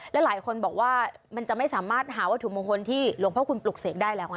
และหลายคนบอกว่ามันจะไม่สามารถหาวัตถุมงคลที่หลวงพ่อคุณปลุกเสกได้แล้วไง